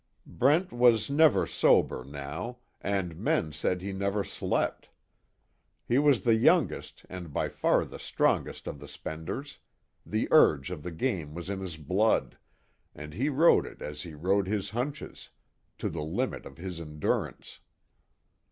Brent was never sober, now and men said he never slept. He was the youngest and by far the strongest of the spenders, the urge of the game was in his blood, and he rode it as he rode his hunches to the limit of his endurance.